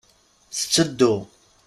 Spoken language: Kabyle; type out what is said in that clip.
Tetteddu.